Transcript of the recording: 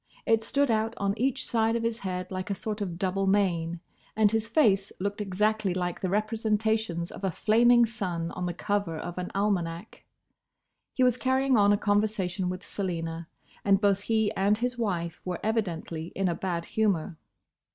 It stood out on each side of his head like a sort of double mane, and his face looked exactly like the representations of a flaming sun on the cover of an almanac. He was carrying on a conversation with Selina, and both he and his wife were evidently in a bad humour.